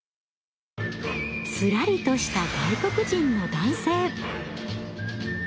スラリとした外国人の男性。